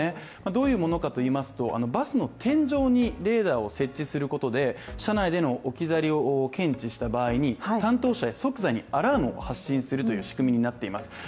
どういうものかといいますと、バスの天井にレーダーを設置することで車内での置き去りを検知した場合に担当者に即座にアラームを送る仕組みになっています。